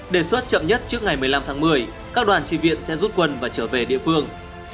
đề xuất chậm nhất trước ngày một mươi năm tháng một mươi các đoàn tri viện sẽ rút quân và trở về địa phương